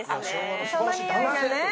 そのにおいがね。